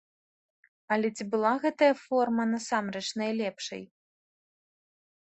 Але ці была гэтая форма насамрэч найлепшай?